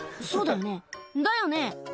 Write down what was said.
「そうだよねだよね」